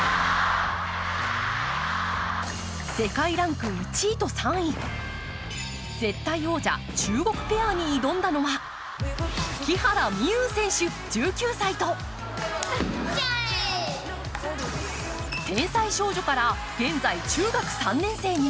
世界ランク１位と３位、絶対王者中国ペアに挑んだのは木原美悠選手、１９歳と天才少女から、現在中学３年生に。